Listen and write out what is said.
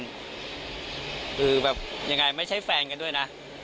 คือแบบยังไงไม่ใช่แฟนกันด้วยนะ